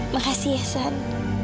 makasih ya san